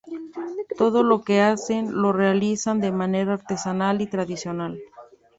Todo lo que hacen, lo realizan de manera artesanal y tradicional.